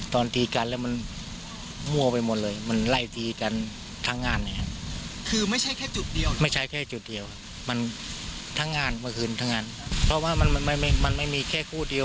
ต้องเงินเมื่อคืนทั้งงานเพราะว่ามันไม่มีแค่คู่เดียว